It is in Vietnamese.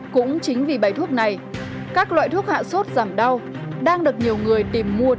cũng chính vì bài thuốc này các loại thuốc hạ sốt giảm đau đang được nhiều người tìm mua